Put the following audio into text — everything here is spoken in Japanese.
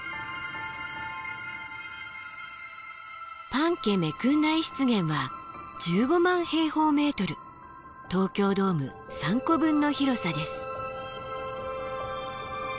パンケメクンナイ湿原は１５万平方メートル東京ドーム３個分の広さです。